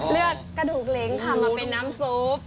เลือกกระดูกเล้งทำมาเป็นน้ำซูป